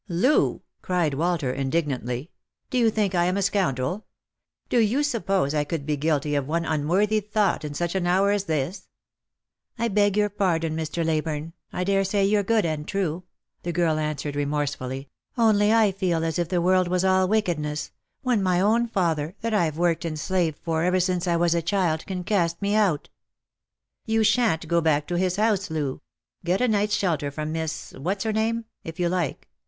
" Loo !" cried Walter indignantly, " do you think I am a scoundrel ? Do you suppose I could be guilty of one unworthy thought in such an hour as this ?"" I beg your pardon, Mr. Leyburne. I daresay you're good and true," the girl answered remorsefully; only I feel as if the world was all wickedness — when my own father, that I've worked and slaved for ever since I was a child, can cast me out." " You sha'n't go back to his house, Loo. Get a night's shelter from Miss — what's her name P — if you like.